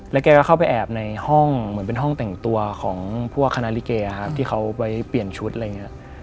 แกก็เข้าไปแอบในห้องเหมือนเป็นห้องแต่งตัวของพวกคณะลิเกครับที่เขาไปเปลี่ยนชุดอะไรอย่างนี้